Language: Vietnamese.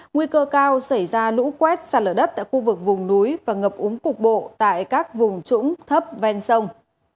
nguy cơ cao xảy ra lũ quét xa lở đất tại khu vực vùng núi và ngập úng cục bộ tại các vùng trũng thấp ven sông